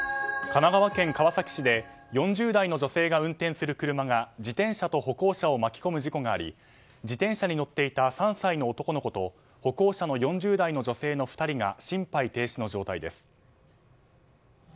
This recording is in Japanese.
神奈川県川崎市で４０代の女性が運転する車が自転車と歩行者を巻き込む事故があり自転車に乗っていた３歳の男の子と歩行者の４０代の女性の２人が心肺停止の状態です。